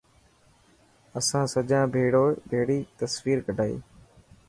اسان سجان ڀيڙي تصويرو ڪڌائي.